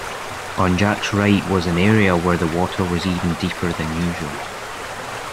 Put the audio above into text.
On Jack’s right was an area where the water was even deeper than usual